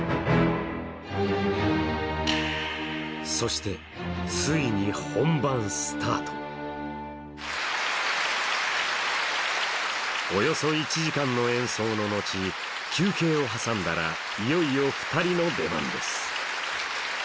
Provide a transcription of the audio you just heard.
そしてついに本番スタートおよそ１時間の演奏の後休憩を挟んだらいよいよ２人の出番です